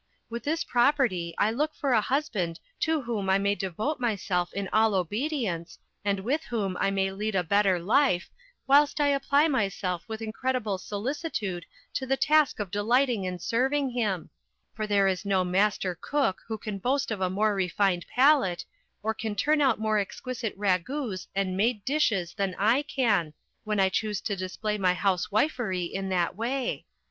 With this property I look for a husband to whom I may devote myself in all obedience, and with whom I may lead a better life, whilst I apply myself with incredible solicitude to the task of delighting and serving him; for there is no master cook who can boast of a more refined palate, or can turn out more exquisite ragouts and made dishes than I can, when I choose to display my housewifery in that way.